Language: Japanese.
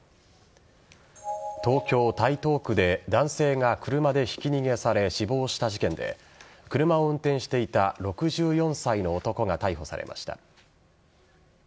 東京・台東区で男性が車でひき逃げされ死亡した事件で車を運転していた６４歳の男が逮捕されました。